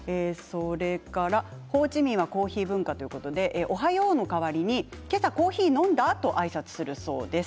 ホーチミンはコーヒー文化ということでおはようの代わりに今朝コーヒー飲んだ？とあいさつするそうです。